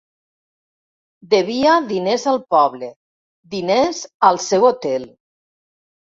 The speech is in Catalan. Devia diners al poble, diners al seu hotel.